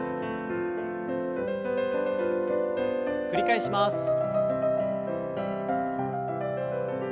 繰り返します。